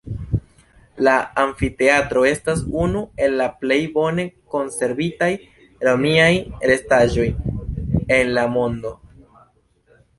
La amfiteatro estas unu el la plej bone konservitaj romiaj restaĵoj en la mondo.